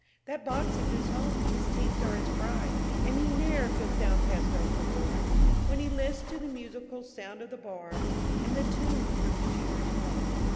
That box is his home, his teams are his pride, And he ne'er feels downcast or forlorn, When he lists to the musical sound of the bars, And the tune from the shooter's horn.